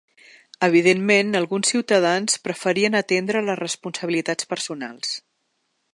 Evidentment, alguns ciutadans preferien atendre les responsabilitats personals.